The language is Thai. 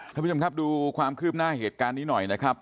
ท่านผู้ชมครับดูความคืบหน้าเหตุการณ์นี้หน่อยนะครับ